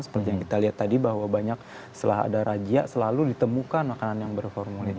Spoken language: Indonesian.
seperti yang kita lihat tadi bahwa banyak setelah ada rajia selalu ditemukan makanan yang berformunin